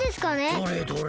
どれどれ？